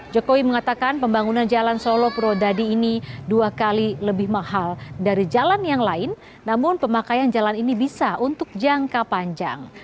jokowi mengatakan pembangunan jalan solo purwodadi ini dua kali lebih mahal dari jalan yang lain namun pemakaian jalan ini bisa untuk jangka panjang